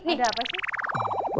udah apa sih